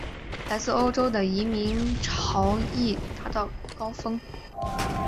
来自欧洲的移民潮亦达到高峰。